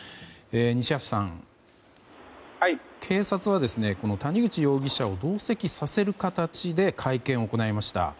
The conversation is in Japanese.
西橋さん、警察は谷口容疑者を同席させる形で会見を行いました。